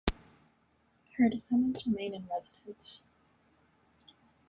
Her descendants remain in residence.